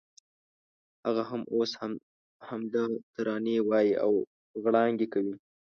هغه هم اوس همدا ترانې وایي او غړانګې کوي.